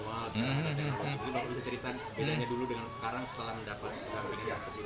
sekarang ada teknologi bisa cerita bedanya dulu dengan sekarang setelah mendapatkan program ini